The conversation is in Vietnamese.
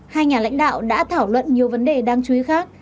hai nhà lãnh đạo đã thảo luận nhiều vấn đề đáng chú ý khác